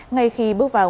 ngay khi bước vào